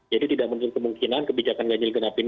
jadi tidak muncul kemungkinan kebijakan ganjil genap ini